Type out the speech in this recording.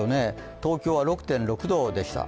東京は６．６度でした。